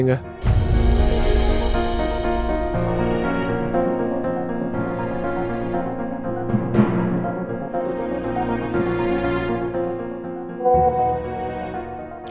kepalatilkat jema hidup